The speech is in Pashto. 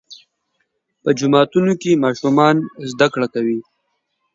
په جوماتونو کې ماشومان زده کړه کوي.